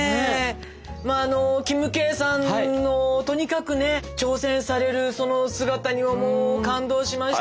まああのキムケイさんのとにかくね挑戦されるその姿にはもう感動しましたし。